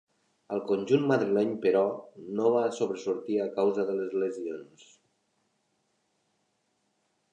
Al conjunt madrileny, però, no va sobresortir a causa de les lesions.